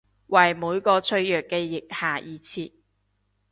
為每個脆弱嘅腋下而設！